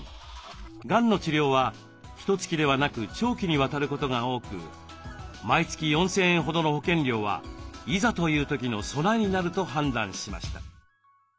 がんの治療はひとつきではなく長期にわたることが多く毎月４，０００円ほどの保険料はいざという時の備えになると判断しました。